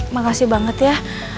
makasih banget ya